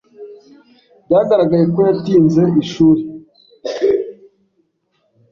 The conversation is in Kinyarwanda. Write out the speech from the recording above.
Byaragaragaye ko yatinze ishuri.